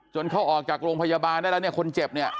เขาออกจากโรงพยาบาลได้แล้วเนี่ยคนเจ็บเนี่ย